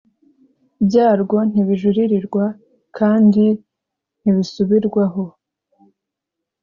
byarwo ntibijuririrwa kandi ntibisubirwaho